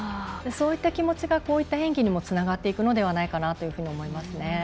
そういった気持ちがこういった演技にもつながっていくんじゃないかと思いますね。